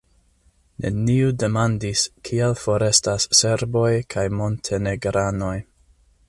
Neniu demandis, kial forestas serboj kaj montenegranoj.